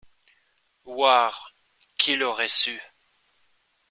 Voire, qui l’aurait su !